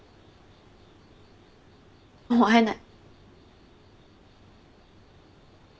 もう会えない。